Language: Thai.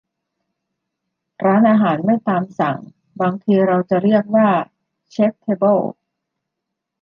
ร้านอาหารไม่ตามสั่ง บางทีเราจะเรียกว่าเชพเทเบิล